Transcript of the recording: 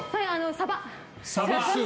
サバ！